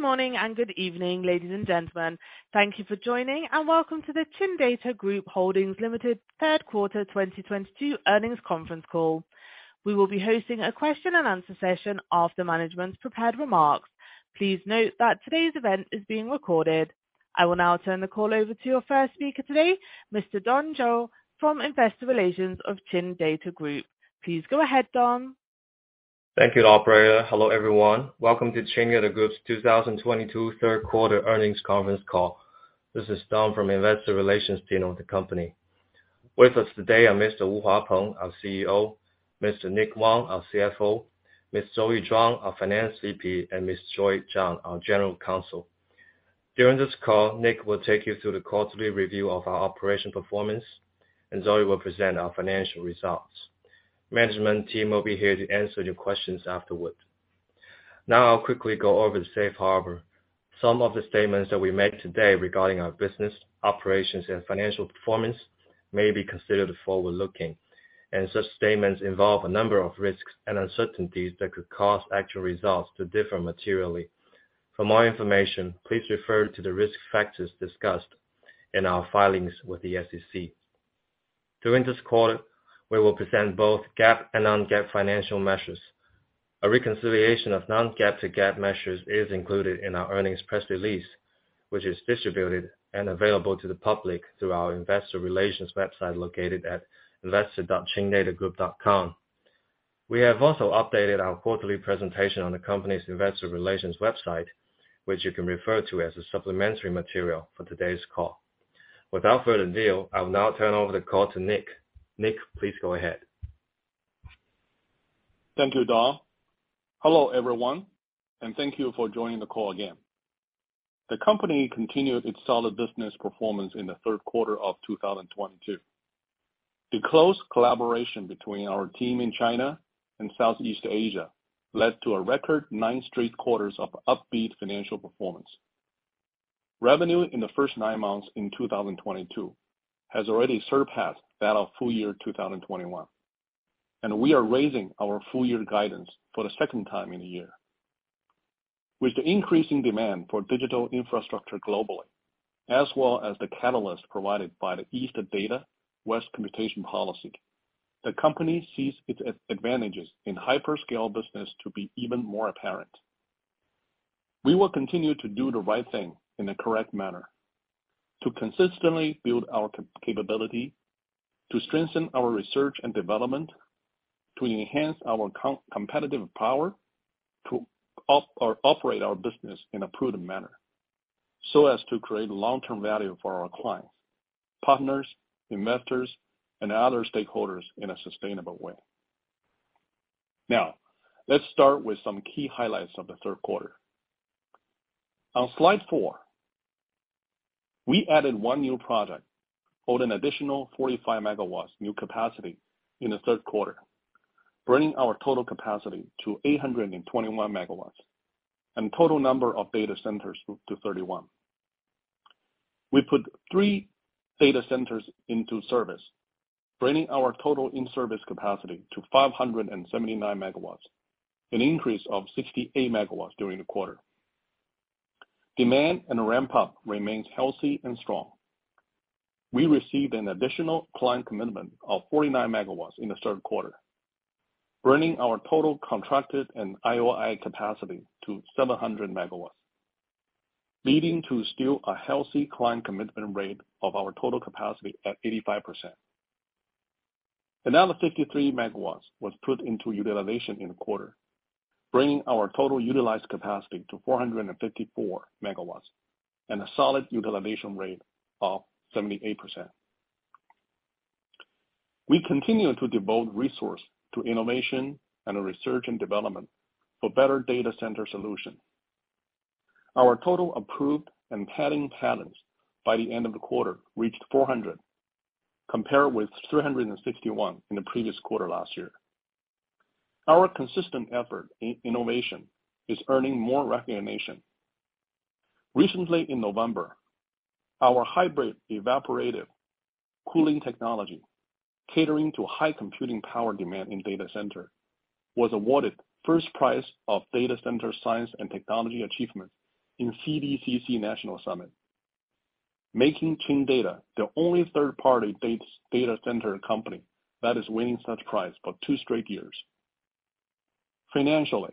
Good morning and good evening, ladies and gentlemen. Thank you for joining, welcome to the Chindata Group Holdings Limited third quarter 2022 earnings conference call. We will be hosting a question-and-answer session after management's prepared remarks. Please note that today's event is being recorded. I will now turn the call over to your first speaker today, Mr. Don Zhou, from Investor Relations of Chindata Group. Please go ahead, Don. Thank you, operator. Hello, everyone. Welcome to Chindata Group's 2022 third quarter earnings conference call. This is Don from Investor Relations team of the company. With us today are Mr. Wu Huapeng, our CEO; Mr. Nick Wang, our CFO; Ms. Zoe Zhuang, our Finance VP: and Ms. Joy Zhang, our General Counsel. During this call, Nick will take you through the quarterly review of our operation performance. Zoe will present our financial results. Management team will be here to answer your questions afterward. I'll quickly go over the Safe Harbor. Some of the statements that we make today regarding our business, operations, and financial performance may be considered forward-looking. Such statements involve a number of risks and uncertainties that could cause actual results to differ materially. For more information, please refer to the risk factors discussed in our filings with the SEC. During this call, we will present both GAAP and non-GAAP financial measures. A reconciliation of non-GAAP to GAAP measures is included in our earnings press release, which is distributed and available to the public through our Investor Relations website located at investor.chinadatagroup.com. We have also updated our quarterly presentation on the company's Investor Relations website, which you can refer to as a supplementary material for today's call. Without further ado, I will now turn over the call to Nick. Nick, please go ahead. Thank you, Don. Hello, everyone, and thank you for joining the call again. The company continued its solid business performance in the third quarter of 2022. The close collaboration between our team in China and Southeast Asia led to a record nine straight quarters of upbeat financial performance. Revenue in the first nine months in 2022 has already surpassed that of full year 2021, and we are raising our full year guidance for the second time in a year. With the increasing demand for digital infrastructure globally, as well as the catalyst provided by the Eastern Data, Western Computing policy, the company sees its advantages in hyperscale business to be even more apparent. We will continue to do the right thing in the correct manner to consistently build our capability to strengthen our research and development, to enhance our competitive power, to operate our business in a prudent manner so as to create long-term value for our clients, partners, investors, and other stakeholders in a sustainable way. Let's start with some key highlights of the third quarter. On slide 4, we added one new project, holding additional 45 MW new capacity in the third quarter, bringing our total capacity to 821 MW and total number of data centers to 31. We put three data centers into service, bringing our total in-service capacity to 579 MW, an increase of 68 MW during the quarter. Demand and ramp-up remains healthy and strong. We received an additional client commitment of 49 MW in the third quarter, bringing our total contracted and IOI capacity to 700 MW, leading to still a healthy client commitment rate of our total capacity at 85%. Another 53 MW was put into utilization in the quarter, bringing our total utilized capacity to 454 MW and a solid utilization rate of 78%. We continue to devote resource to innovation and research and development for better data center solution. Our total approved and pending patents by the end of the quarter reached 400, compared with 361 in the previous quarter last year. Our consistent effort in innovation is earning more recognition. Recently in November, our hybrid evaporative cooling technology catering to high computing power demand in data center was awarded first prize of Data Center Science and Technology Achievement in CDCC National Summit, making Chindata the only third-party data center company that is winning such prize for two straight years. Financially,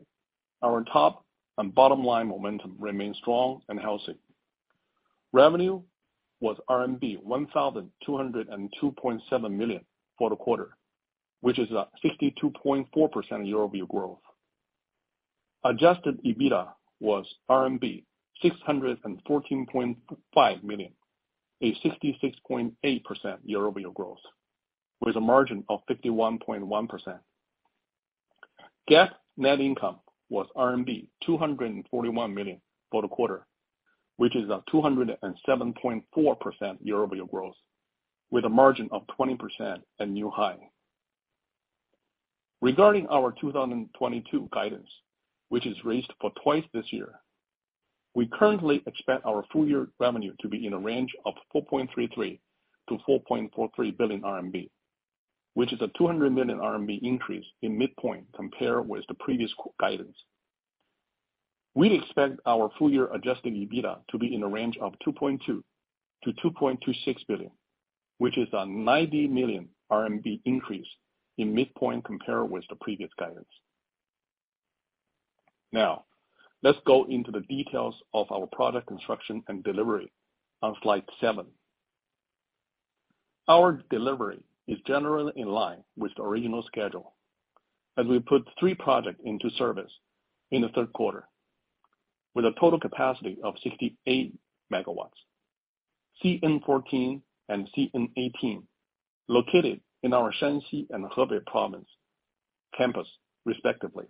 our top and bottom line momentum remain strong and healthy. Revenue was RMB 1,202.7 million for the quarter, which is a 52.4% year-over-year growth. Adjusted EBITDA was RMB 614.5 million, a 66.8% year-over-year growth, with a margin of 51.1%. GAAP net income was RMB 241 million for the quarter, which is a 207.4% year-over-year growth with a margin of 20%, a new high. Regarding our 2022 guidance, which is raised for twice this year, we currently expect our full year revenue to be in a range of 4.33 billion-4.43 billion RMB, which is a 200 million RMB increase in midpoint compared with the previous guidance. We expect our full year adjusted EBITDA to be in a range of 2.2 billion-2.26 billion, which is a 90 million RMB increase in midpoint compared with the previous guidance. Now, let's go into the details of our product construction and delivery on slide 7. Our delivery is generally in line with the original schedule, as we put three projects into service in the third quarter with a total capacity of 68 MW. CN14 and CN18, located in our Shanxi and Hebei province campus respectively,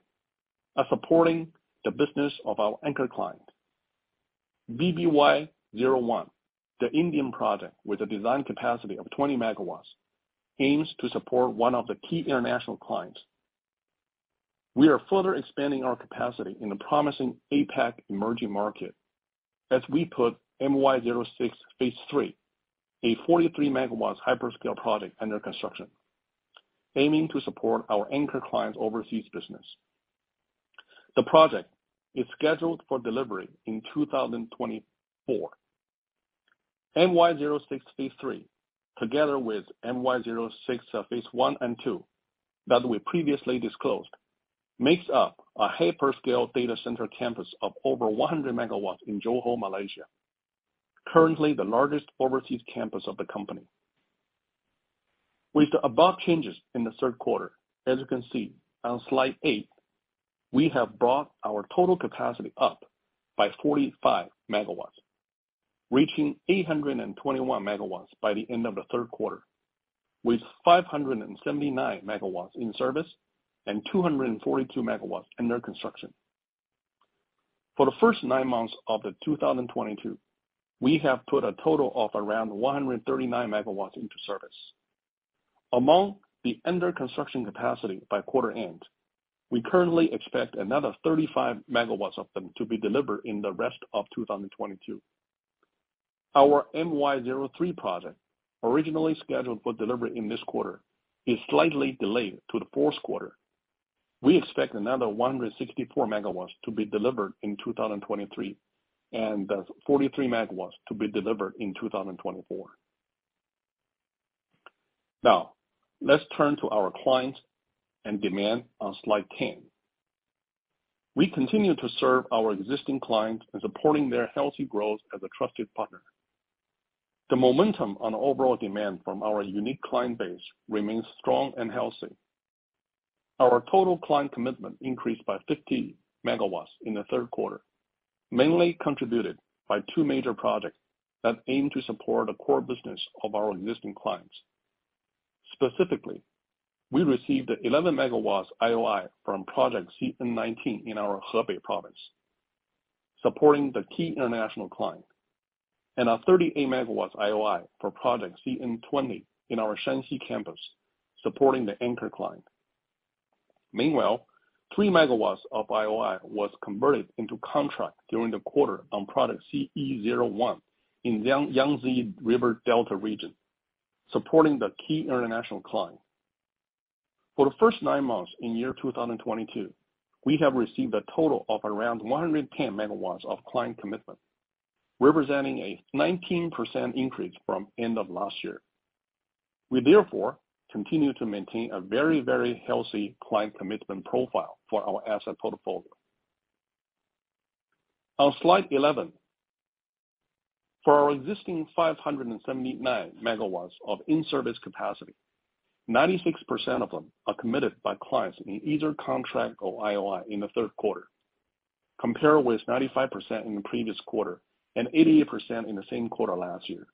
are supporting the business of our anchor client. BBY01, the Indian project with a design capacity of 20 MW, aims to support one of the key international clients. We are further expanding our capacity in the promising APAC emerging market as we put MY06 phase three, a 43- MW hyperscale project under construction, aiming to support our anchor client's overseas business. The project is scheduled for delivery in 2024. MY06 phase 3, together with MY06 phase 1 and 2 that we previously disclosed, makes up a hyperscale data center campus of over 100 MW in Johor, Malaysia, currently the largest overseas campus of the company. With the above changes in the third quarter, as you can see on slide 8, we have brought our total capacity up by 45 MW, reaching 821 MW by the end of the third quarter, with 579 MW in service and 242 MW under construction. For the first nine months of 2022, we have put a total of around 139 MW into service. Among the under construction capacity by quarter end, we currently expect another 35 MW of them to be delivered in the rest of 2022. Our MY03 project, originally scheduled for delivery in this quarter, is slightly delayed to the fourth quarter. We expect another 164 MW to be delivered in 2023, and 43 MW to be delivered in 2024. Let's turn to our clients and demand on slide 10. We continue to serve our existing clients in supporting their healthy growth as a trusted partner. The momentum on overall demand from our unique client base remains strong and healthy. Our total client commitment increased by 50 MW in the third quarter, mainly contributed by two major projects that aim to support the core business of our existing clients. Specifically, we received 11 MW IOI from project CN19 in our Hebei province, supporting the key international client, and a 38 MW IOI for project CN20 in our Shanxi campus, supporting the anchor client. Meanwhile, 3 MW of IOI was converted into contract during the quarter on project CE01 in Yangtze River Delta region, supporting the key international client. For the first nine months in 2022, we have received a total of around 110 MW of client commitment, representing a 19% increase from end of last year. We therefore continue to maintain a very healthy client commitment profile for our asset portfolio. On slide 11, for our existing 579 MW of in-service capacity, 96% of them are committed by clients in either contract or IOI in the third quarter, compared with 95% in the previous quarter and 88% in the same quarter last year.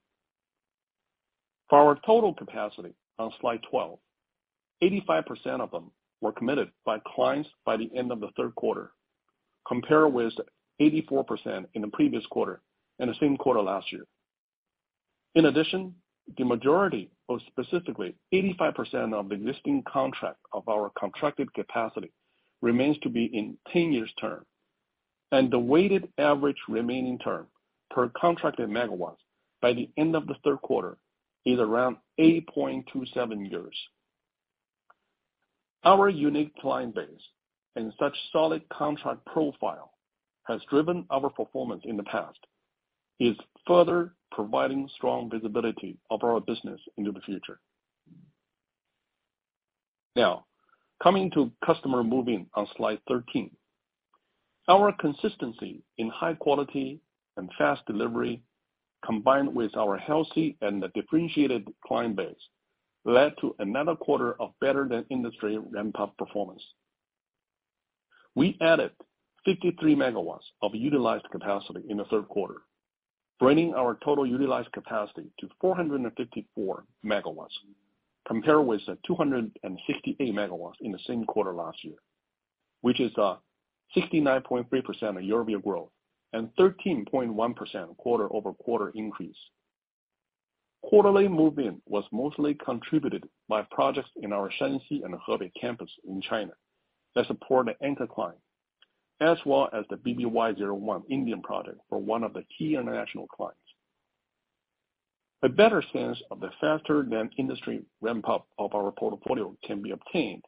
For our total capacity on slide 12, 85% of them were committed by clients by the end of the third quarter, compared with 84% in the previous quarter and the same quarter last year. In addition, the majority, or specifically 85% of existing contract of our contracted capacity, remains to be in 10 years term. The weighted average remaining term per contracted MW by the end of the third quarter is around 8.27 years. Our unique client base and such solid contract profile has driven our performance in the past, is further providing strong visibility of our business into the future. Coming to customer move-in on slide 13. Our consistency in high quality and fast delivery, combined with our healthy and the differentiated client base, led to another quarter of better-than-industry ramp-up performance. We added 53 MW of utilized capacity in the third quarter, bringing our total utilized capacity to 454 MW, compared with the 268 MW in the same quarter last year, which is a 69.3% year-over-year growth and 13.1% quarter-over-quarter increase. Quarterly move-in was mostly contributed by projects in our Shanxi and Hebei campus in China that support an anchor client, as well as the BBY01 Indian project for one of the key international clients. A better sense of the faster than industry ramp-up of our portfolio can be obtained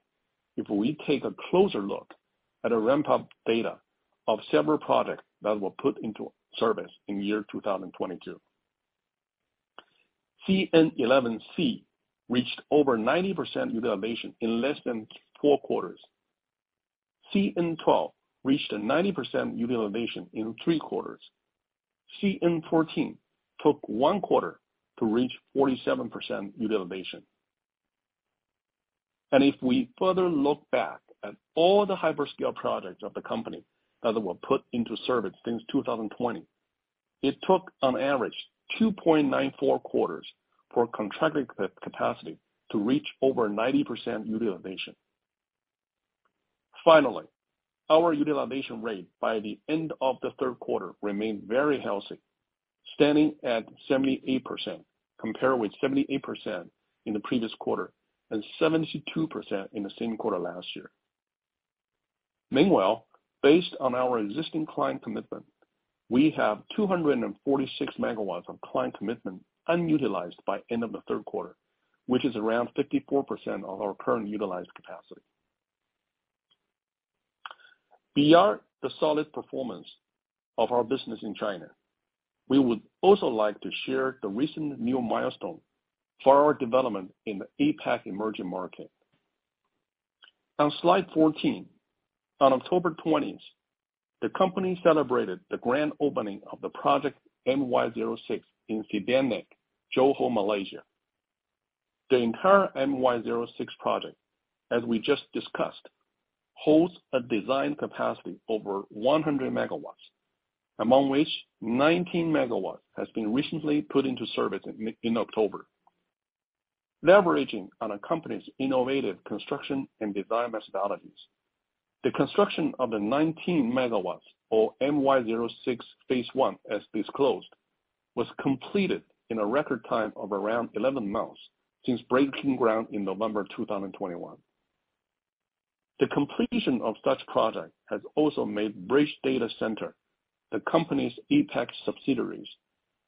if we take a closer look at the ramp-up data of several projects that were put into service in 2022. CN11-C reached over 90% utilization in less than four quarters. CN12 reached a 90% utilization in three quarters. CN14 took one quarter to reach 47% utilization. If we further look back at all the hyperscale projects of the company that were put into service since 2020, it took on average 2.94 quarters for contracted capacity to reach over 90% utilization. Our utilization rate by the end of the third quarter remained very healthy, standing at 78%, compared with 78% in the previous quarter, and 72% in the same quarter last year. Meanwhile, based on our existing client commitment, we have 246 MW of client commitment unutilized by end of the third quarter, which is around 54% of our current utilized capacity. Beyond the solid performance of our business in China, we would also like to share the recent new milestone for our development in the APAC emerging market. On slide 14, on October 20th, the company celebrated the grand opening of the project MY06 in Cyberjaya, Johor, Malaysia. The entire MY06 project, as we just discussed, holds a design capacity over 100 MW, among which 19 MW has been recently put into service in October. Leveraging on a company's innovative construction and design methodologies, the construction of the 19 MW, or MY06 phase 1 as disclosed, was completed in a record time of around 11 months since breaking ground in November 2021. The completion of such project has also made Bridge Data Centres, the company's APAC subsidiaries,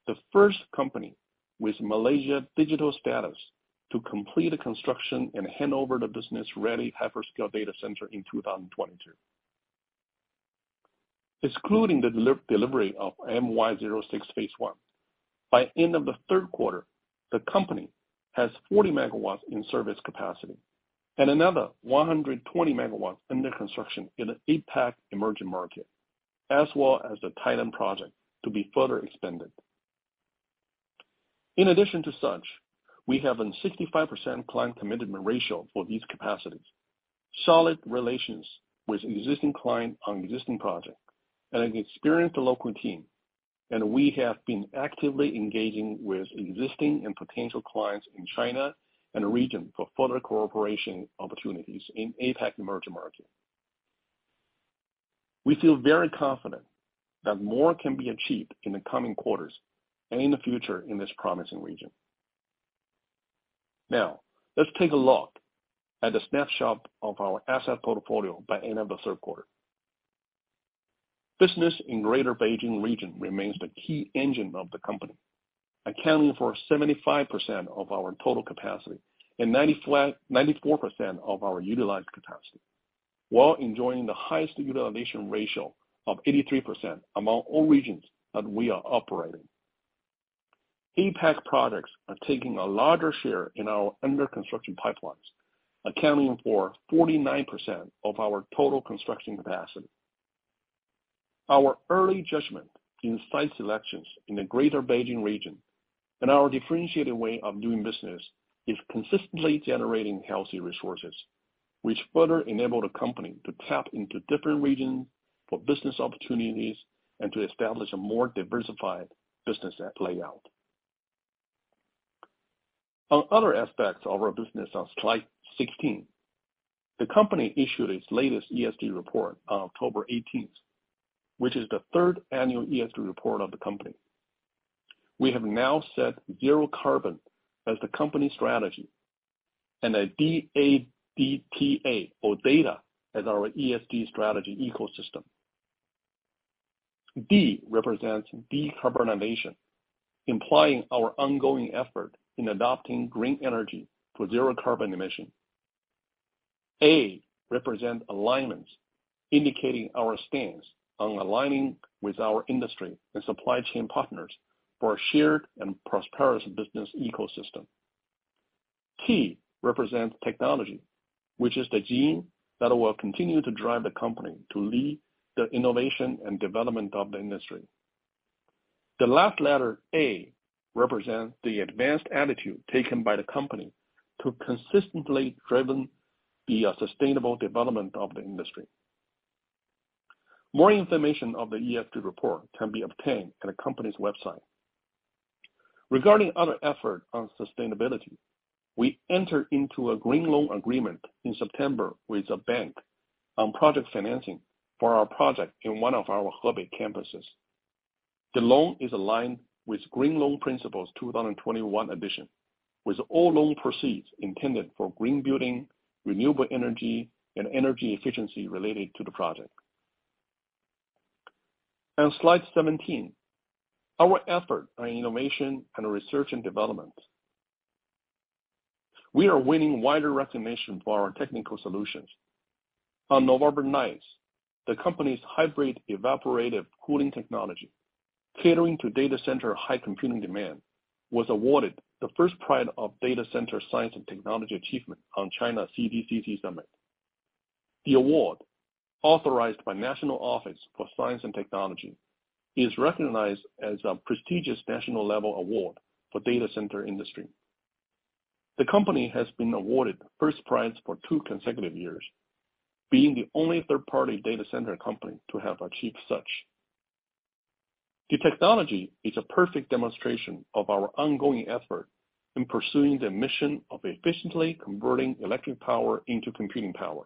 the first company with Malaysia Digital Status to complete a construction and hand over the business-ready hyperscale data center in 2022. Excluding the delivery of MY06 phase 1, by end of the third quarter, the company has 40 MW in service capacity and another 120 MW under construction in the APAC emerging market, as well as the Thailand project to be further expanded. In addition to such, we have a 65% client commitment ratio for these capacities, solid relations with existing client on existing project and an experienced local team. We have been actively engaging with existing and potential clients in China and the region for further cooperation opportunities in APAC emerging market. We feel very confident that more can be achieved in the coming quarters and in the future in this promising region. Let's take a look at the snapshot of our asset portfolio by end of the third quarter. Business in Greater Beijing region remains the key engine of the company, accounting for 75% of our total capacity and 94% of our utilized capacity, while enjoying the highest utilization ratio of 83% among all regions that we are operating. APAC products are taking a larger share in our under construction pipelines, accounting for 49% of our total construction capacity. Our early judgment in site selections in the Greater Beijing region and our differentiated way of doing business is consistently generating healthy resources, which further enable the company to tap into different regions for business opportunities and to establish a more diversified business layout. On other aspects of our business on slide 16, the company issued its latest ESG report on October 18th, which is the third annual ESG report of the company. We have now set zero carbon as the company strategy and a DATA or data as our ESG strategy ecosystem. D represents decarbonization, implying our ongoing effort in adopting green energy for zero carbon emission. A represent alignments, indicating our stance on aligning with our industry and supply chain partners for a shared and prosperous business ecosystem. T represents technology, which is the gene that will continue to drive the company to lead the innovation and development of the industry. The last letter, A, represents the advanced attitude taken by the company to consistently driven the sustainable development of the industry. More information of the ESG report can be obtained at the company's website. Regarding other effort on sustainability. We entered into a green loan agreement in September with a bank on project financing for our project in one of our Hubei campuses. The loan is aligned with Green Loan Principles 2021 edition, with all loan proceeds intended for green building, renewable energy and energy efficiency related to the project. On slide 17, our effort on innovation and research and development. We are winning wider recognition for our technical solutions. On November 9th, the company's hybrid evaporative cooling technology, catering to data center high computing demand, was awarded the first prize of Data Center Science and Technology Achievement on China CDCC Summit. The award, authorized by National Office for Science and Technology, is recognized as a prestigious national level award for data center industry. The company has been awarded first prize for two consecutive years, being the only third-party data center company to have achieved such. The technology is a perfect demonstration of our ongoing effort in pursuing the mission of efficiently converting electric power into computing power.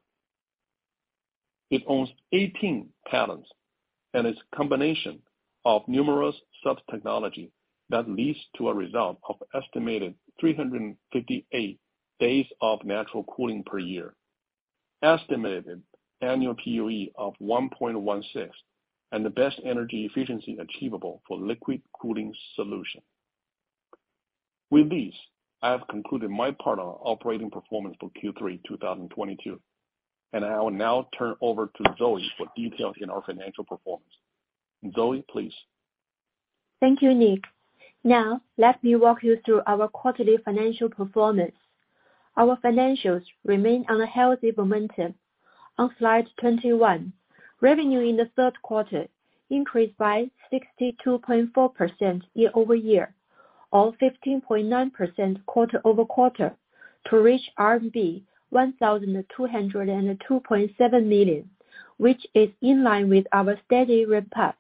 It owns 18 patents and its combination of numerous sub-technology that leads to a result of estimated 358 days of natural cooling per year. Estimated annual PUE of 1.16, and the best energy efficiency achievable for liquid cooling solution. With this, I have concluded my part on operating performance for Q3 2022, and I will now turn over to Zoe for details in our financial performance. Zoe, please. Thank you, Nick. Let me walk you through our quarterly financial performance. Our financials remain on a healthy momentum. On slide 21, revenue in the third quarter increased by 62.4% year-over-year, or 15.9% quarter-over-quarter to reach RMB 1,202.7 million, which is in line with our steady ramp up.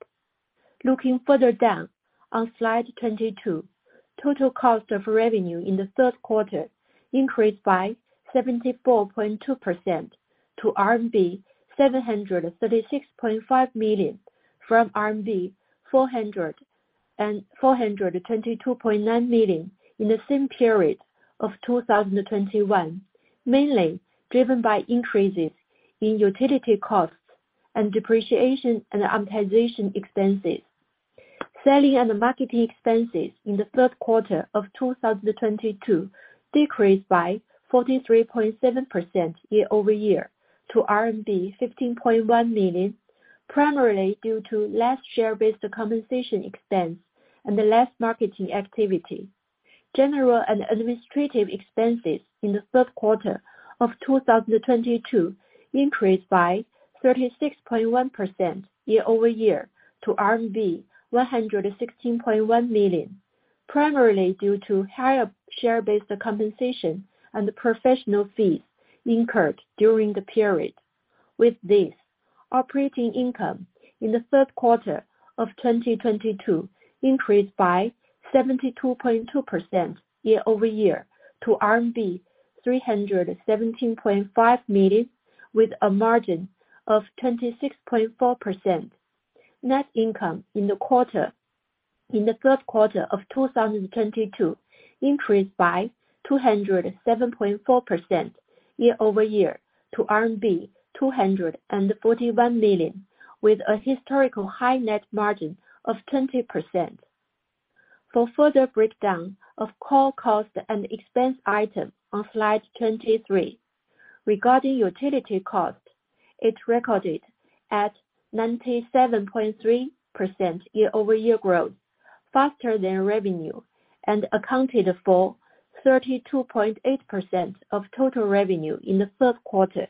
Looking further down on slide 22, total cost of revenue in the third quarter increased by 74.2% to RMB 736.5 million from RMB 422.9 million in the same period of 2021. Mainly driven by increases in utility costs and depreciation and amortization expenses. Selling and marketing expenses in the third quarter of 2022 decreased by 43.7% year-over-year to RMB 15.1 million, primarily due to less share-based compensation expense and less marketing activity. General and administrative expenses in the third quarter of 2022 increased by 36.1% year-over-year to RMB 116.1 million, primarily due to higher share-based compensation and professional fees incurred during the period. Operating income in the third quarter of 2022 increased by 72.2% year-over-year to RMB 317.5 million with a margin of 26.4%. Net income in the third quarter of 2022 increased by 207.4% year-over-year to RMB 241 million, with a historical high net margin of 20%. Further breakdown of core cost and expense item on slide 23. Regarding utility cost, it recorded at 97.3% year-over-year growth faster than revenue and accounted for 32.8% of total revenue in the third quarter.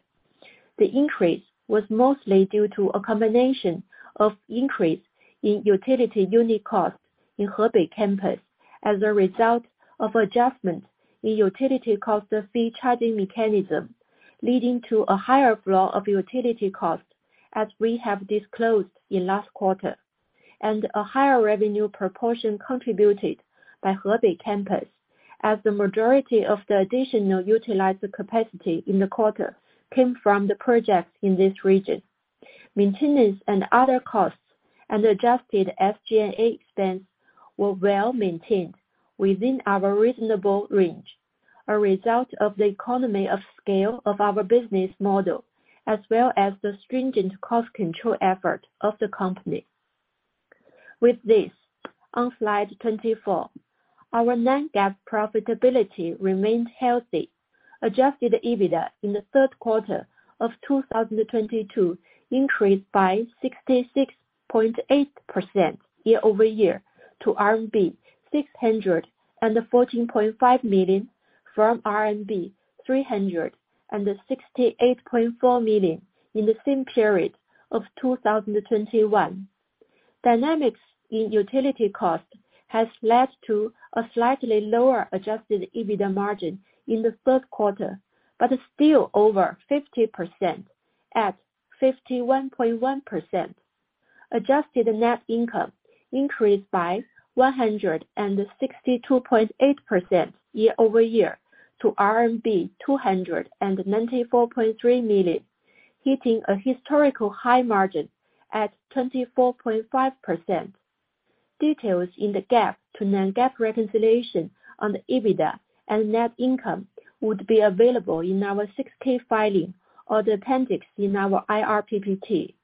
The increase was mostly due to a combination of increase in utility unit cost in Hubei campus as a result of adjustment in utility cost fee charging mechanism, leading to a higher flow of utility costs as we have disclosed in last quarter, and a higher revenue proportion contributed by Hubei campus as the majority of the additional utilized capacity in the quarter came from the projects in this region. Maintenance and other costs and adjusted SG&A expense were well-maintained within our reasonable range, a result of the economy of scale of our business model, as well as the stringent cost control effort of the company. With this, on slide 24, our non-GAAP profitability remained healthy. Adjusted EBITDA in the third quarter of 2022 increased by 66.8% year-over-year to RMB 614.5 million from RMB 368.4 million in the same period of 2021. Dynamics in utility cost has led to a slightly lower adjusted EBITDA margin in the third quarter, but still over 50% at 51.1%. Adjusted net income increased by 162.8% year-over-year to RMB 294.3 million, hitting a historical high margin at 24.5%. Details in the GAAP to non-GAAP reconciliation on the EBITDA and net income would be available in our 6-K filing or the appendix in our IR PPT.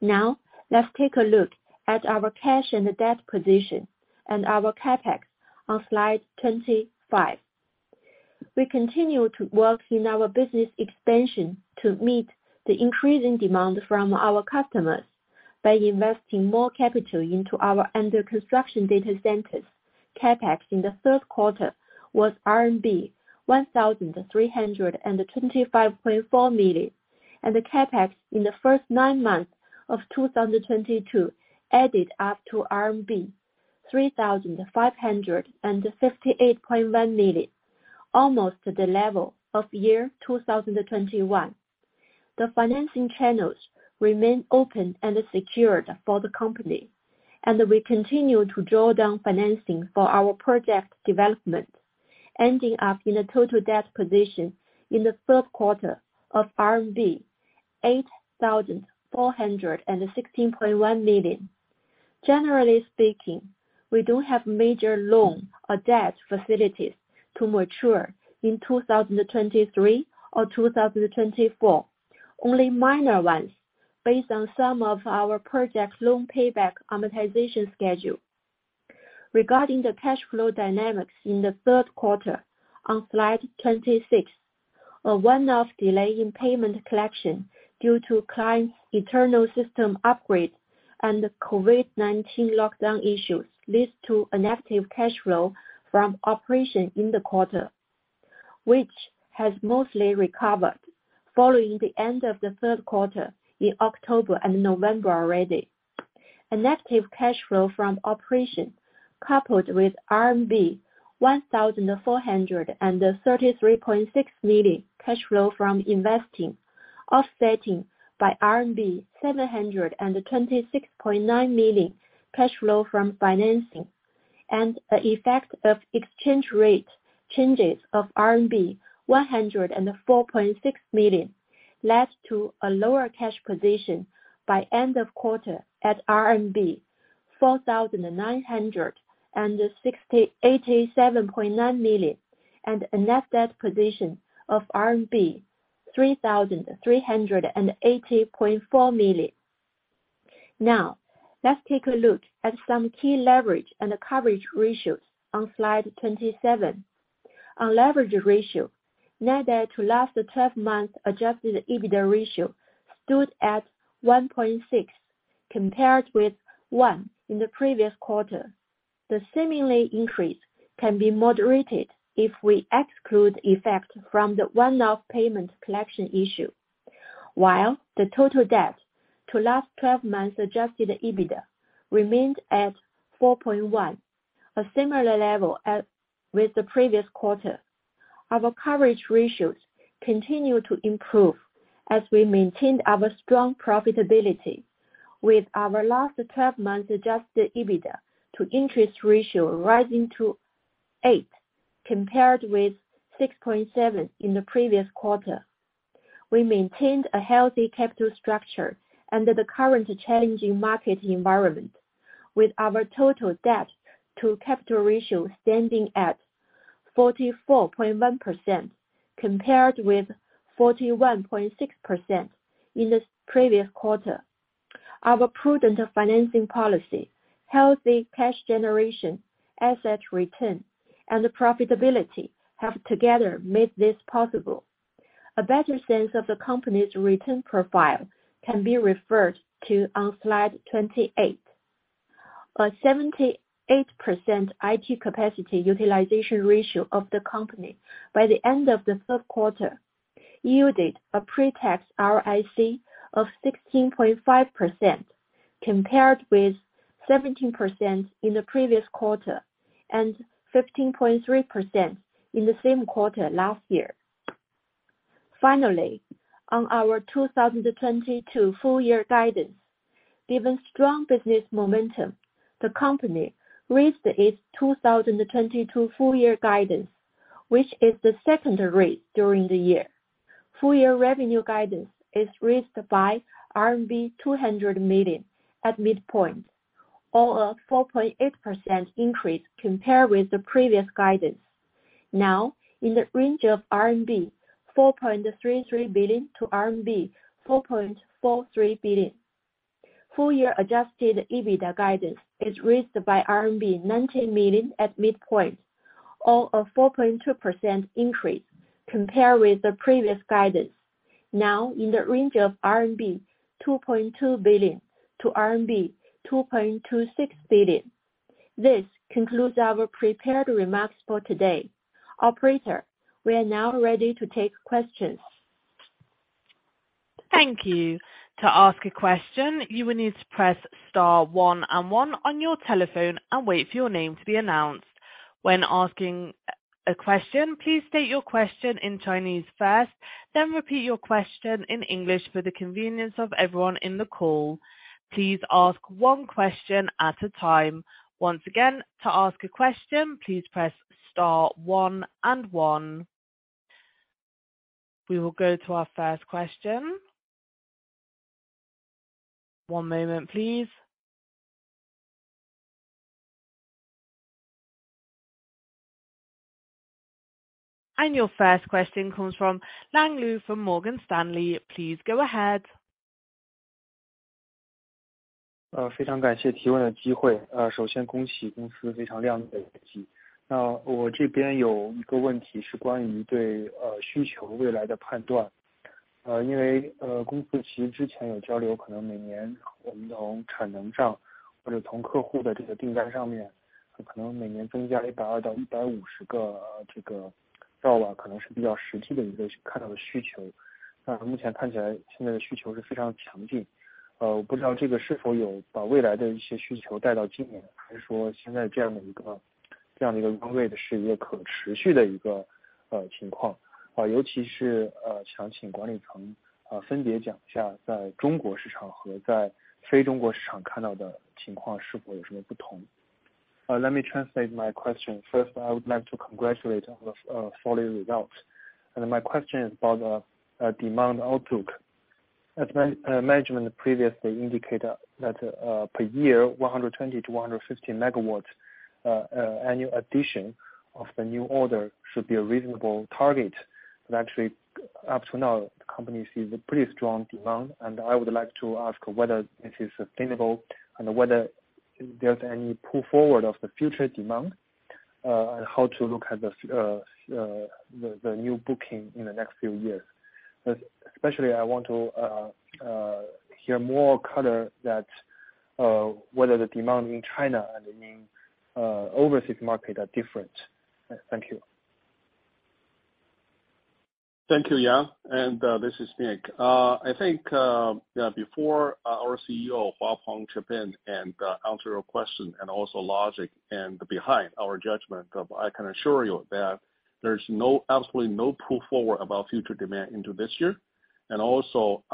Now, let's take a look at our cash and debt position and our CapEx on slide 25. We continue to work in our business expansion to meet the increasing demand from our customers by investing more capital into our under-construction data centers. CapEx in the third quarter was RMB 1,325.4 million. The CapEx in the first nine months of 2022 added up to RMB 3,558.1 million, almost the level of year 2021. The financing channels remain open and secured for the company, and we continue to draw down financing for our project development, ending up in a total debt position in the third quarter of RMB 8,416.1 million. Generally speaking, we don't have major loan or debt facilities to mature in 2023 or 2024, only minor ones based on some of our project loan payback amortization schedule. Regarding the cash flow dynamics in the third quarter on slide 26, a one-off delay in payment collection due to client's internal system upgrade and COVID-19 lockdown issues leads to a negative cash flow from operation in the quarter, which has mostly recovered following the end of the third quarter in October and November already. A negative cash flow from operation coupled with RMB 1,433.6 million cash flow from investing, offsetting by RMB 726.9 million cash flow from financing, and the effect of exchange rate changes of RMB 104.6 million led to a lower cash position by end of quarter at RMB 4,960--87.9 million and a net debt position of RMB 3,380.4 million. Let's take a look at some key leverage and coverage ratios on slide 27. On leverage ratio, net debt to last 12-month adjusted EBITDA ratio stood at 1.6, compared with 1 in the previous quarter. The seemingly increase can be moderated if we exclude effect from the one-off payment collection issue. While the total debt to last twelve-month adjusted EBITDA remained at 4.1, a similar level as with the previous quarter. Our coverage ratios continue to improve as we maintained our strong profitability with our last twelve-month adjusted EBITDA to interest ratio rising to 8, compared with 6.7 in the previous quarter. We maintained a healthy capital structure under the current challenging market environment with our total debt to capital ratio standing at 44.1% compared with 41.6% in the previous quarter. Our prudent financing policy, healthy cash generation, asset return, and profitability have together made this possible. A better sense of the company's return profile can be referred to on slide 28. A 78% IT capacity utilization ratio of the company by the end of the third quarter yielded a pre-tax ROIC of 16.5% compared with 17% in the previous quarter and 15.3% in the same quarter last year. Finally, on our 2022 full year guidance. Given strong business momentum, the company raised its 2022 full year guidance, which is the second raise during the year. Full year revenue guidance is raised by RMB 200 million at midpoint, or a 4.8% increase compared with the previous guidance. Now in the range of 4.33 billion-4.43 billion RMB. Full year adjusted EBITDA guidance is raised by RMB 19 million at midpoint, or a 4.2% increase compared with the previous guidance. Now, in the range of 2.2 billion-2.26 billion RMB. This concludes our prepared remarks for today. Operator, we are now ready to take questions. Thank you. To ask a question, you will need to press star one and one on your telephone and wait for your name to be announced. When asking a question, please state your question in Chinese first, then repeat your question in English for the convenience of everyone in the call. Please ask one question at a time. Once again to ask a question, please press star one and one. We will go to our first question. One moment please. Your first question comes from Yang Liu from Morgan Stanley. Please go ahead. Let me translate my question. First, I would like to congratulate on the falling results. My question is about the demand outlook. As management previously indicated that per year 120 MW-150 MW annual addition of the new order should be a reasonable target. Actually, up to now, the company sees a pretty strong demand. I would like to ask whether this is sustainable and whether there's any pull forward of the future demand, how to look at the new booking in the next few years. Especially I want to hear more color that whether the demand in China and in overseas market are different. Thank you. Thank you, Yang. This is Nick. I think, yeah, before our CEO Huapeng chip in and answer your question and also logic and behind our judgment, but I can assure you that there's absolutely no pull forward about future demand into this year. Also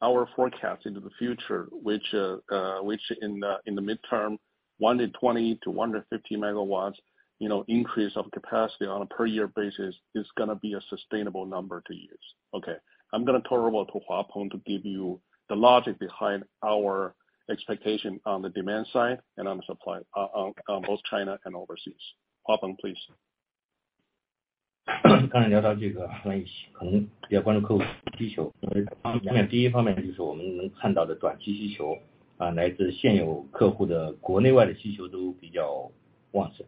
our forecast into the future, which in the midterm, 120 MW-150 MW, you know, increase of capacity on a per year basis is gonna be a sustainable number to use. Okay. I'm gonna turn over to Huapeng to give you the logic behind our expectation on the demand side and on the supply, on both China and overseas. Huapeng, please. Sure. Translation for Huapeng's words. We will divide the question into two aspects. For the short-term demand,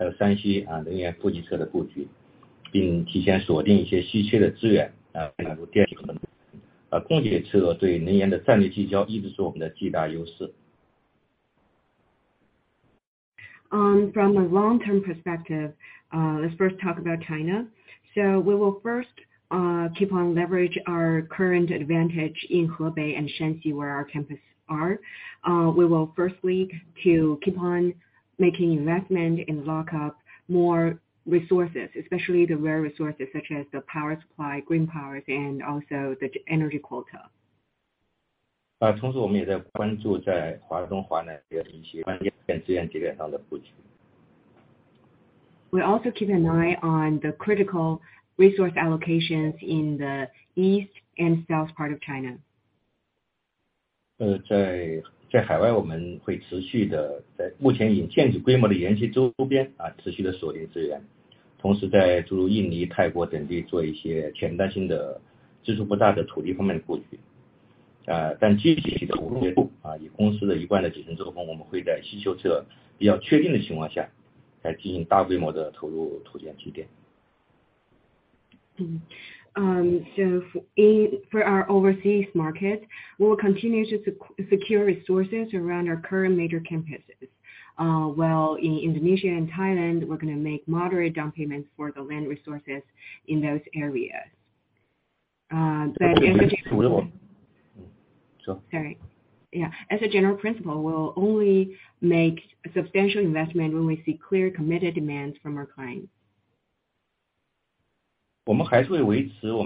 to answer your question, we can see that, either from China or from our foreign overseas clients, the demand has been very strong. From a long-term perspective, let's first talk about China. We will first keep on leverage our current advantage in Hubei and Shanxi, where our campuses are. We will firstly to keep on making investment and lock up more resources, especially the rare resources such as the power supply, green powers, and also the energy quota. We also keep an eye on the critical resource allocations in the east and south part of China. For our overseas market, we will continue to secure resources around our current major campuses. Well, in Indonesia and Thailand, we're gonna make moderate down payments for the land resources in those areas. As a general principle, we'll only make substantial investment when we see clear committed demands from our clients. We will still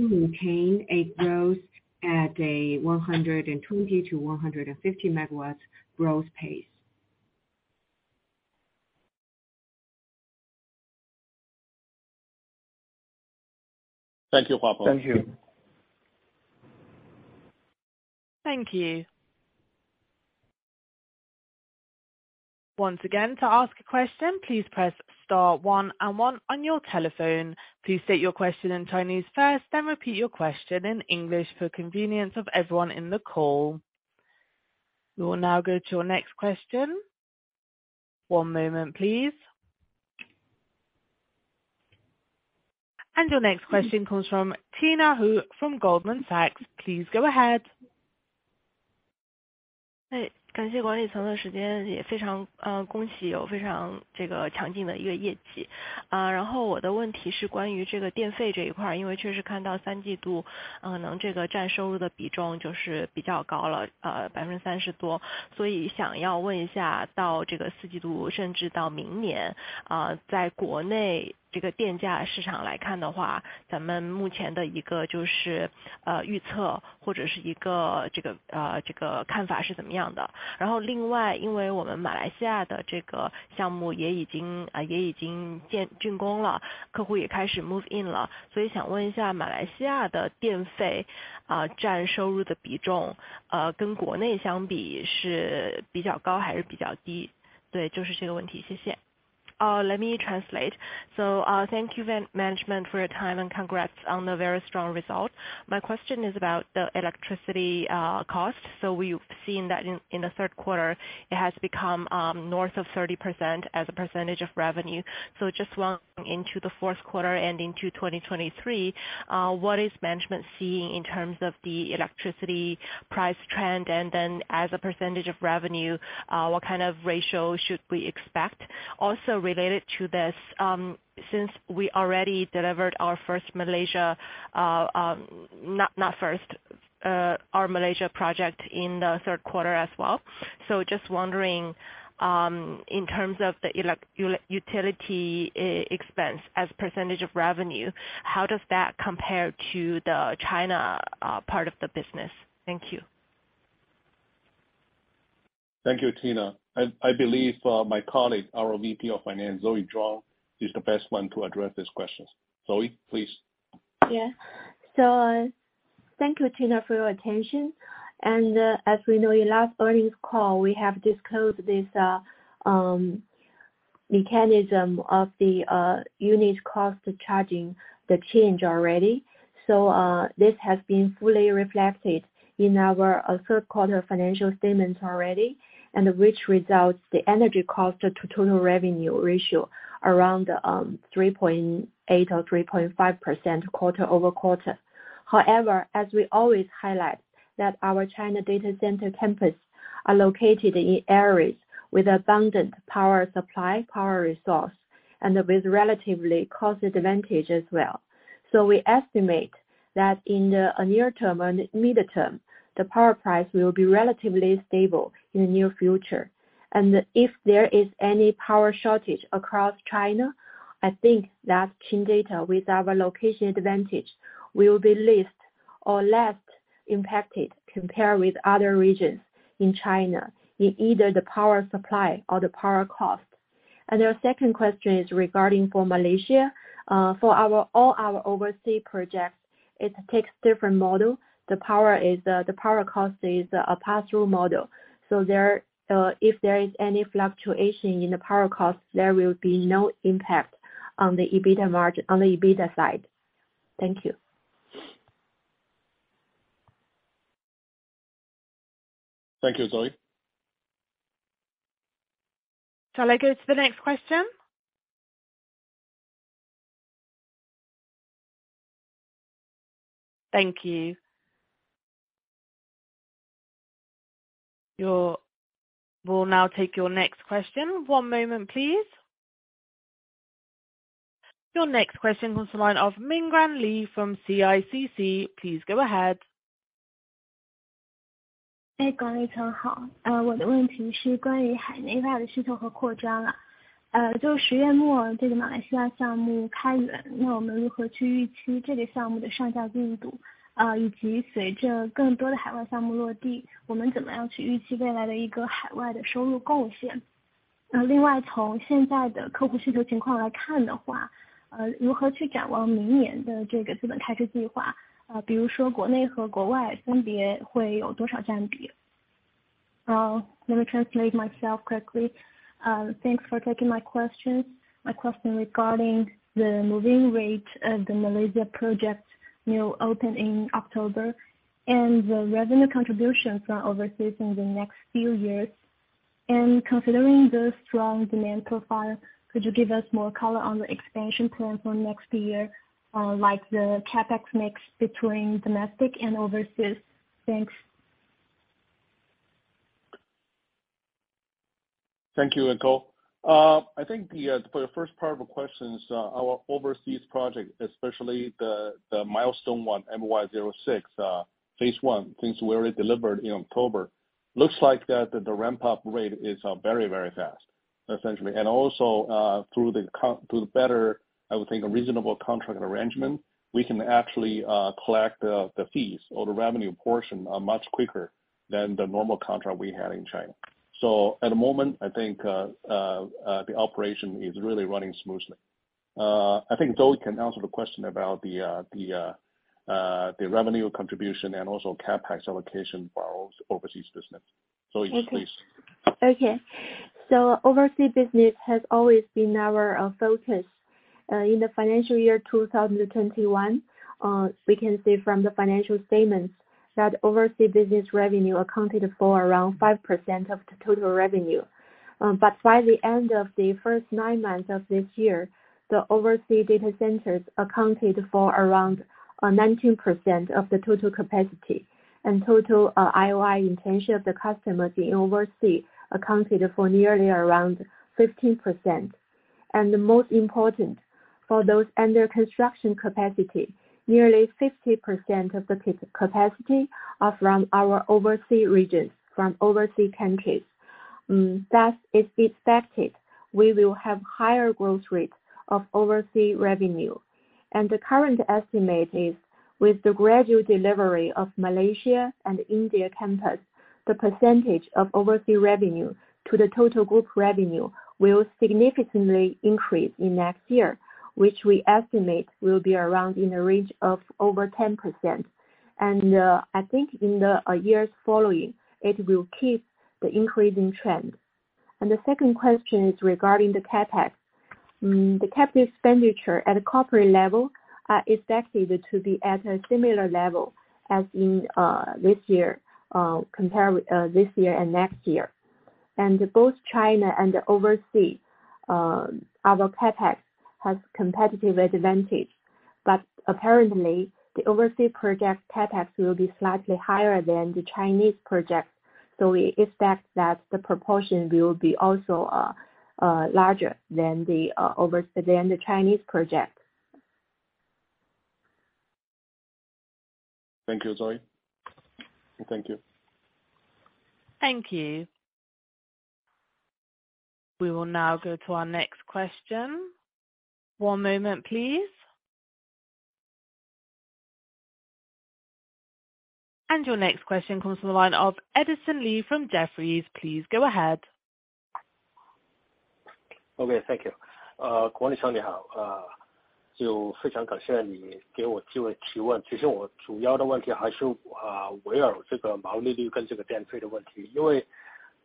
maintain a growth at a 120 MW-150 MW growth pace. Thank you, Huapeng. Thank you. Thank you. Once again, to ask a question, please press star one one on your telephone. Please state your question in Chinese first, then repeat your question in English for convenience of everyone in the call. We will now go to our next question. One moment please. Your next question comes from Tina Hou from Goldman Sachs. Please go ahead. Let me translate. Thank you management for your time and congrats on the very strong result. My question is about the electricity cost. We've seen that in the third quarter, it has become north of 30% as a percentage of revenue. Just wanting into the fourth quarter and into 2023, what is management seeing in terms of the electricity price trend? As a percentage of revenue, what kind of ratio should we expect? Related to this, since we already delivered our first Malaysia, not first, our Malaysia project in the third quarter as well. Just wondering, in terms of the utility expense as a % of revenue, how does that compare to the China part of the business? Thank you. Thank you, Tina. I believe my colleague, our VP of Finance, Zoe Zhuang, is the best one to address these questions. Zoe, please. Yeah. Thank you, Tina, for your attention. And, as we know your last earnings call, we have disclosed this mechanism of the unit cost charging the change already. This has been fully reflected in our third quarter financial statements already, and which results the energy cost to total revenue ratio around 3.8% or 3.5% quarter-over-quarter. However, as we always highlight that our China data center campus are located in areas with abundant power supply, power resource, and with relatively cost advantage as well. We estimate that in the near term and midterm, the power price will be relatively stable in the near future. If there is any power shortage across China, I think that Chindata, with our location advantage, will be least or less impacted compared with other regions in China in either the power supply or the power cost. Your second question is regarding for Malaysia. All our overseas projects, it takes different model. The power is, the power cost is a pass-through model. There, if there is any fluctuation in the power cost, there will be no impact on the EBITDA margin, on the EBITDA side. Thank you. Thank you, Zoe. Shall I go to the next question? Thank you. Your... We'll now take your next question. One moment please. Your next question comes from line of Mingran Li from CICC. Please go ahead. Let me translate myself quickly. Thanks for taking my questions. My question regarding the moving rate of the Malaysia project, you know, opening October and the revenue contributions are overseas in the next few years. Considering the strong demand profile, could you give us more color on the expansion plan for next year? Like the CapEx mix between domestic and overseas. Thanks. Thank you. I think the for the first part of the question is our overseas project, especially the milestone one, MY06, phase one, things we already delivered in October. Looks like that the ramp-up rate is very, very fast, essentially. Through the better, I would think a reasonable contract arrangement, we can actually collect the fees or the revenue portion much quicker than the normal contract we had in China. At the moment, I think the operation is really running smoothly. I think Zoe can answer the question about the revenue contribution and also CapEx allocation for our overseas business. Zoe, please. Okay. overseas business has always been our focus. In the financial year 2021, we can see from the financial statements that overseas business revenue accounted for around 5% of the total revenue. By the end of the first nine months of this year, the overseas data centers accounted for around 19% of the total capacity. Total IOI intention of the customers in overseas accounted for nearly around 15%. The most important, for those under construction capacity, nearly 50% of the capacity are from our overseas regions, from overseas countries. Thus, it's expected we will have higher growth rates of overseas revenue. The current estimate is with the gradual delivery of Malaysia and India campus, the percentage of overseas revenue to the total group revenue will significantly increase in next year, which we estimate will be around in the range of over 10%. I think in the years following, it will keep the increasing trend. The second question is regarding the CapEx. The capital expenditure at a corporate level is expected to be at a similar level as in this year and next year. Both China and the overseas, our CapEx has competitive advantage. Apparently, the overseas project CapEx will be slightly higher than the Chinese project. We expect that the proportion will be also larger than the overseas than the Chinese project. Thank you, Zoe. Thank you. Thank you. We will now go to our next question. One moment please. Your next question comes from the line of Edison Lee from Jefferies. Please go ahead. Okay, thank you. Guangli Xiang, 你好。就非常感谢你给我机会提问。其实我主要的问题还 是， 围绕这个毛利率跟这个电费的问题。因为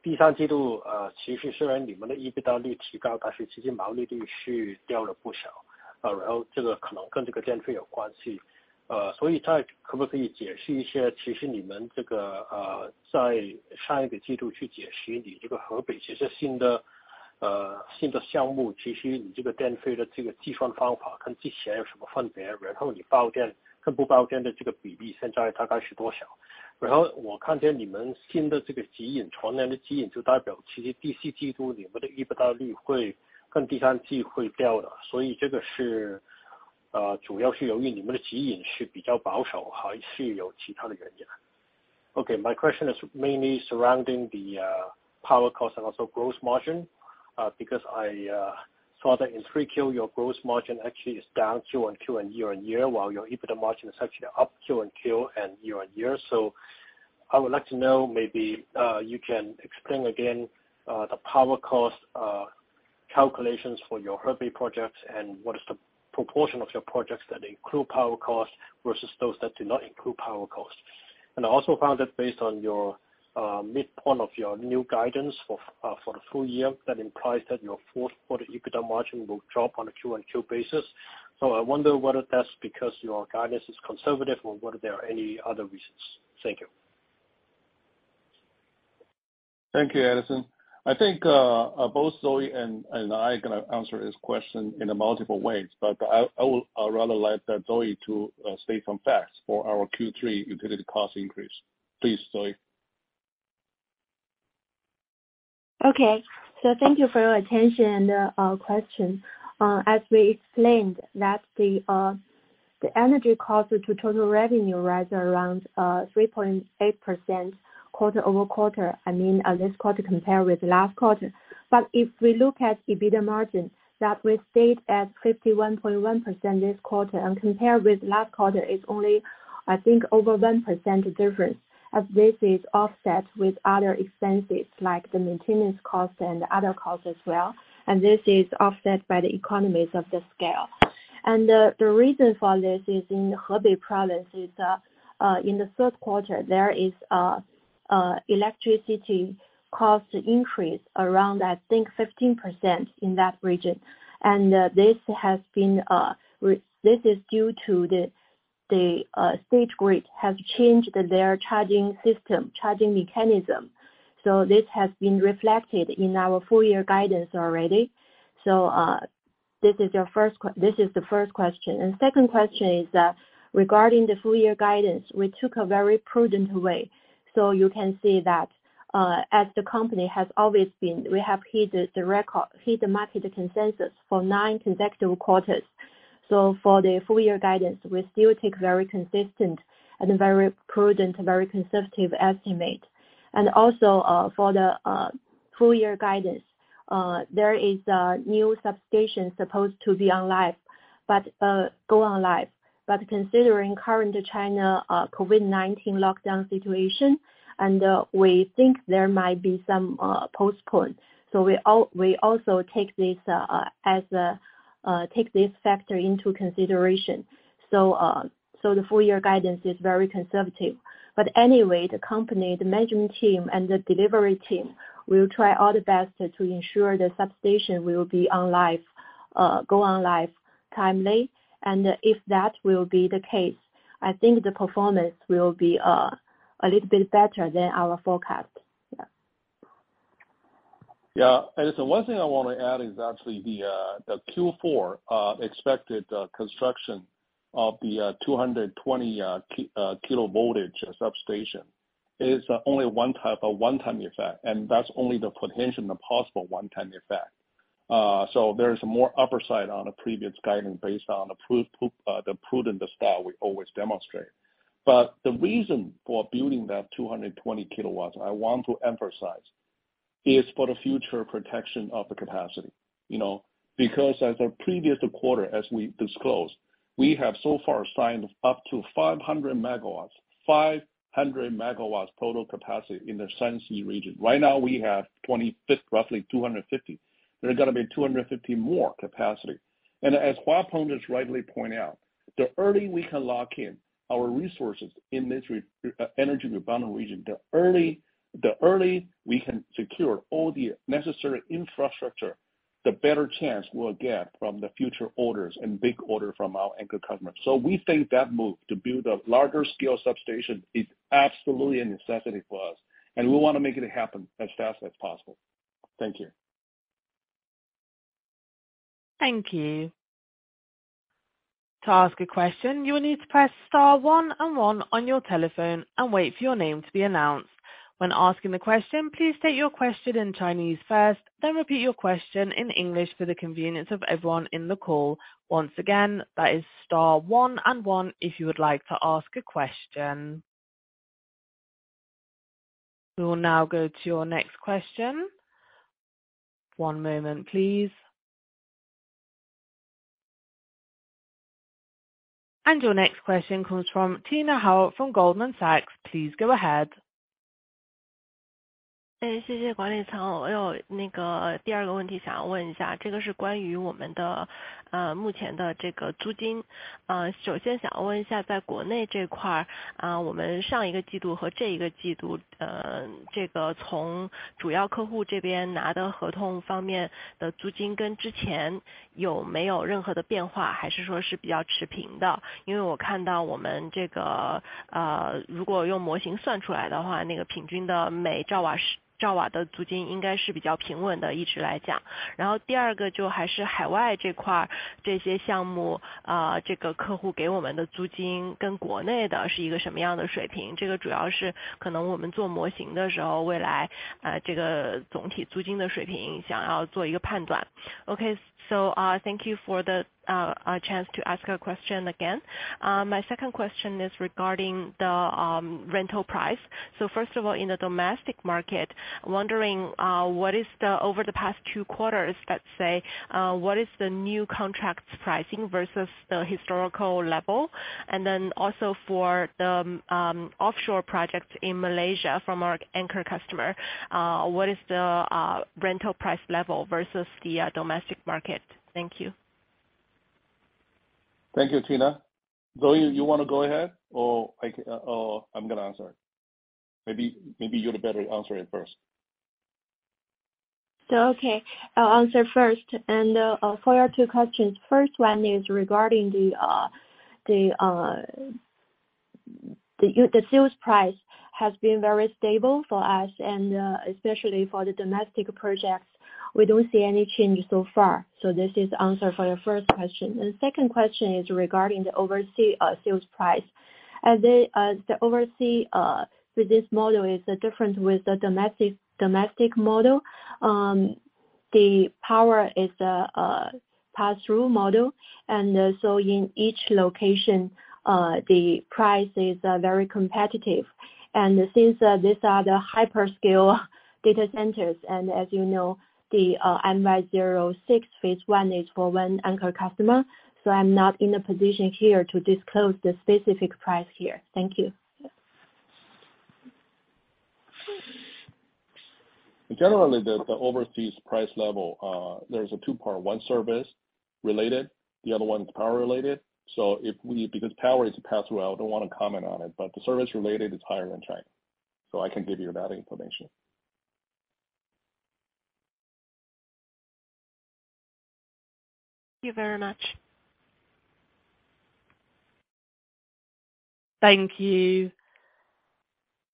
3rd quarter， 其实虽然你们的 EBITDA 率提 高， 但是其实毛利率是掉了不 少， 然后这个可能跟这个电费有关系。所以再可不可以解释一 些， 其实你们这 个， 在上一的季度去解释你这个河北其实新 的， 新的项 目， 其实你这个电费的这个计算方法跟之前有什么分 别？ 然后你包电跟不包电的这个比例现在大概是多 少？ 然后我看见你们新的这个指 引， 传染的指引就代表其实 fourth quarter 你们的 EBITDA 率会跟 3rd quarter 会掉的。所以这个 是， 主要是由于你们的指引是比较保守还是有其他的原 因？ Okay. My question is mainly surrounding the power cost and also gross margin. Because I saw that in 3Q your gross margin actually is down quarter-over-quarter and year-over-year, while your EBITDA margin is actually up quarter-over-quarter and year-over-year. I would like to know, maybe, you can explain again the power cost calculations for your Hubei project and what is the proportion of your projects that include power costs versus those that do not include power costs. I also found that based on your midpoint of your new guidance for the full year, that implies that your fourth quarter EBITDA margin will drop on a quarter-over-quarter basis. I wonder whether that's because your guidance is conservative or whether there are any other reasons. Thank you. Thank you, Edison. I think both Zoe and I are gonna answer this question in multiple ways, but I would rather like that Zoe to state some facts for our Q3 utility cost increase. Please, Zoe. Thank you for your attention and question. As we explained that the energy cost to total revenue rise around 3.8% quarter-over-quarter, I mean, this quarter compared with last quarter. If we look at EBITDA margin, that will stay at 51.1% this quarter and compared with last quarter is only, I think, over 1% difference, as this is offset with other expenses like the maintenance cost and other costs as well. This is offset by the economies of the scale. The reason for this is in Hebei province is in the third quarter, there is electricity cost increase around, I think, 15% in that region. This is due to the state grid have changed their charging system, charging mechanism. This has been reflected in our full year guidance already. This is the first question. Second question is regarding the full year guidance. We took a very prudent way. You can see that as the company has always been, we have hit the record, hit the market consensus for nine consecutive quarters. For the full year guidance, we still take very consistent and very prudent, very conservative estimate. Also, for the full year guidance, there is a new substation supposed to be online, go on live. Considering current China COVID-19 lockdown situation, we think there might be some postpone. We also take this as a take this factor into consideration. So the full year guidance is very conservative. Anyway, the company, the management team and the delivery team will try all the best to ensure the substation will be on live, go on live timely. If that will be the case, I think the performance will be a little bit better than our forecast. Yeah. Yeah. One thing I wanna add is actually the Q4 expected construction of the 220 kV substation is only one type, a one-time effect, and that's only the potential and the possible one-time effect. There is more upper side on the previous guidance based on the proof, the prudent style we always demonstrate. The reason for building that 220 kW, I want to emphasize, is for the future protection of the capacity. You know, because as our previous quarter, as we disclosed, we have so far signed up to 500 MW, 500 MW total capacity in the Shanxi region. Right now we have 25th, roughly 250. There are gonna be 250 more capacity. As Huapeng just rightly pointed out, the early we can lock in our resources in this energy rebound region. The early we can secure all the necessary infrastructure, the better chance we'll get from the future orders and big order from our anchor customers. We think that move to build a larger scale substation is absolutely a necessity for us, and we wanna make it happen as fast as possible. Thank you. Thank you. To ask a question, you will need to press star one and one on your telephone and wait for your name to be announced. When asking the question, please state your question in Chinese first, then repeat your question in English for the convenience of everyone in the call. Once again, that is star one and one if you would like to ask a question. We will now go to your next question. One moment please. Your next question comes from Tina Hou from Goldman Sachs. Please go ahead. Okay. Thank you for the chance to ask a question again. My second question is regarding the rental price. First of all, in the domestic market, wondering, what is the Over the past two quarters, let's say, what is the new contracts pricing versus the historical level? Then also for the offshore projects in Malaysia from our anchor customer, what is the rental price level versus the domestic market? Thank you. Thank you, Tina. Zoe, you wanna go ahead? Or I'm gonna answer. Maybe you'd better answer it first. Okay. I'll answer first. For your two questions, first one is regarding the sales price has been very stable for us, especially for the domestic projects, we don't see any change so far. This is answer for your first question. Second question is regarding the overseas sales price. The overseas with this model is different with the domestic model. The power is a pass-through model. In each location, the price is very competitive. Since these are the hyperscale data centers, as you know, the MY06 phase 1 is for one anchor customer. I'm not in a position here to disclose the specific price here. Thank you. Generally, the overseas price level, there's a two-part. One service-related, the other one is power-related. Because power is a pass-through, I don't wanna comment on it, but the service related is higher than China. I can give you that information. Thank you very much. Thank you.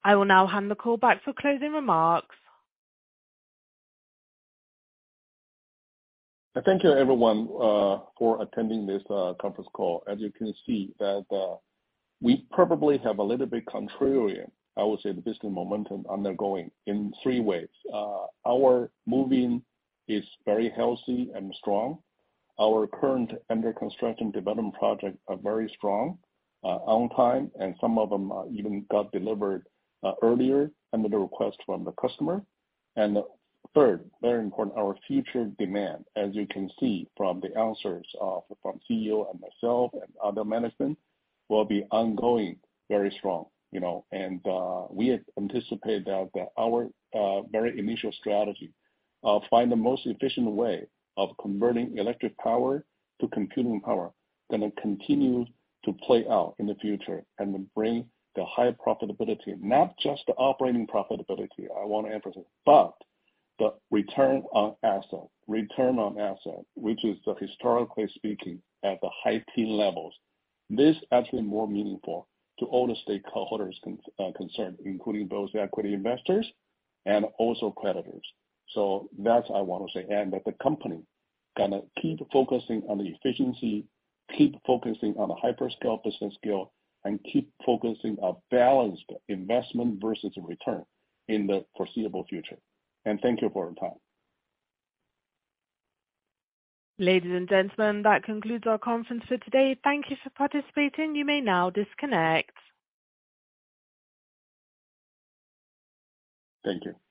I will now hand the call back for closing remarks. Thank you everyone for attending this conference call. As you can see that we probably have a little bit contrarian, I would say, the business momentum undergoing in three ways. Our moving is very healthy and strong. Our current under construction development project are very strong, on time, and some of them even got delivered earlier under the request from the customer. Third, very important, our future demand, as you can see from the answers from CEO and myself and other management, will be ongoing, very strong, you know. We anticipate that our very initial strategy find the most efficient way of converting electric power to computing power, gonna continue to play out in the future and will bring the higher profitability. Not just the operating profitability, I wanna emphasize, but the return on asset. Return on asset, which is historically speaking, at the high-teen levels. This actually more meaningful to all the stakeholders concerned, including those equity investors and also creditors. That's I wanna say. That the company gonna keep focusing on the efficiency, keep focusing on the hyperscale business skill, and keep focusing on balanced investment versus return in the foreseeable future. Thank you for your time. Ladies and gentlemen, that concludes our conference for today. Thank you for participating. You may now disconnect. Thank you.